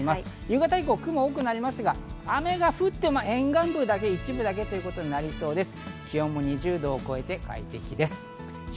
夕方以降、雲が多くなりますが、雨が降っても沿岸部の一部だけとなりそうです。